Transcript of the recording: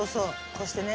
こうしてね。